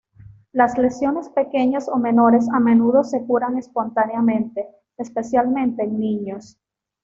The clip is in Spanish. Las lesiones pequeñas o menores a menudo se curan espontáneamente, especialmente en niños.